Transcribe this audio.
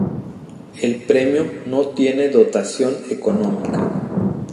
El premio no tiene dotación económica.